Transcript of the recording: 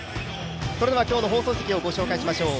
それでは今日の放送席をご紹介しましょう。